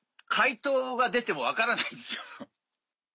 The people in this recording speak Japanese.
解答が出ても分からないんですよ。